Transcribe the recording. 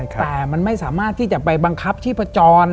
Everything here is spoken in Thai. แต่มันไม่สามารถที่จะไปบังคับชีพจร